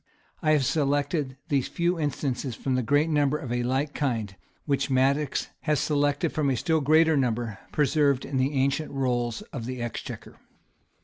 [] I have selected these few instances from a great number of a like kind, which Madox had selected from a still greater number, preserved in the ancient rolls of the exchequer.